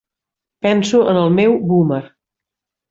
Penso en el meu boomer.